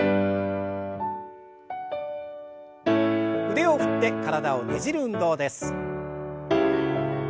腕を振って体をねじる運動です。